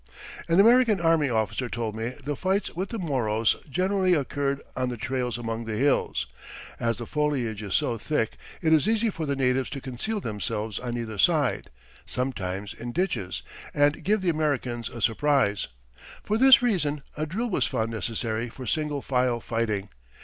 An American army officer told me the fights with the Moros generally occurred on the trails among the hills; as the foliage is so thick, it is easy for the natives to conceal themselves on either side, sometimes in ditches, and give the Americans a surprise. For this reason, a drill was found necessary for single file fighting.